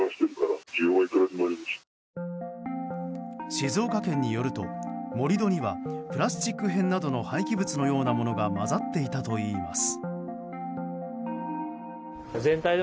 静岡県によると、盛り土にはプラスチック片などの廃棄物のようなものが混ざっていたといいます。